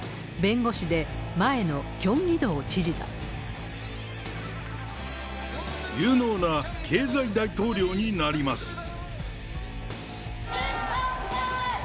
弁護士で、有能な経済大統領になります。